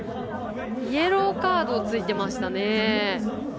イエローカードついていましたね。